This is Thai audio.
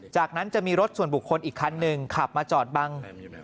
จากนั้นจะมีรถส่วนบุคคลอีกคันหนึ่งขับมาจอดบัง